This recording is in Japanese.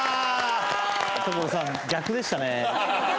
所さん逆でしたね。